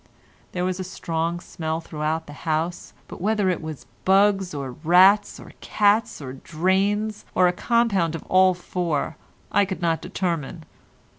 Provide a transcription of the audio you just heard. There was a strong smell throughout the house, but whether it was bugs, or rats, or cats, or drains, or a compound of all four, I could not determine.